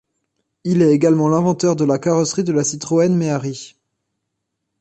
Il est également l'inventeur de la carrosserie de la Citroën Méhari.